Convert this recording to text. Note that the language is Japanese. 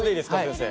先生。